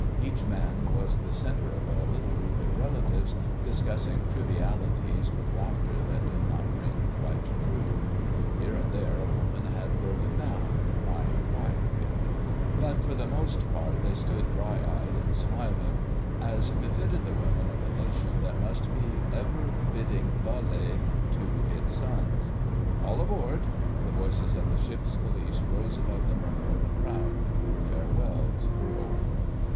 Each man was the centre of a little group of relatives, discussing trivialities with laughter that did not ring quite true. Here and there a woman had broken down, crying quietly; but for the most part they stood dry eyed and smiling, as befitted the women of a Nation that must be ever bidding "Vale" to its sons. "All aboard!" The voices of the Ship's Police rose above the murmur of the crowd. Farewells were over.